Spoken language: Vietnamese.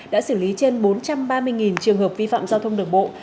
đã xử lý trên bốn trăm ba mươi trường hợp vi phạm giao thông đường bộ